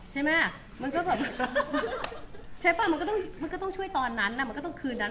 ใช่มั้ยใช่ป่ะมันก็ต้องช่วยตอนนั้นมันก็ต้องคืนนั้น